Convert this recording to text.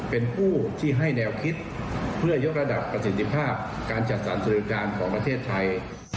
เป็นผู้ที่ให้แนวคิดเพื่อยกระดับประสิทธิภาพการจัดสรรการของประเทศไทย